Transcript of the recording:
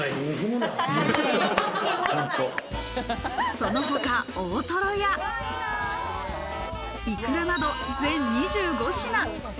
その他、大トロやいくらなど全２５品。